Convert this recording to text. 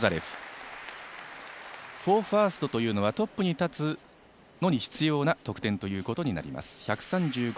フォーファーストというのはトップに立つのに必要な得点ということになります。